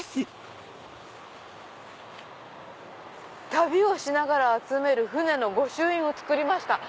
「旅をしながら集める船の御朱印つくりました」。